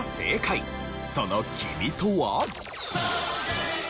その「君」とは。